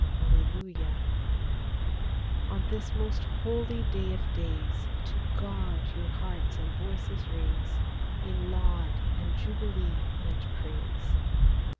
Alleluia ! On this most holy day of days, To God your hearts and voices raise In laud, and jubilee, and praise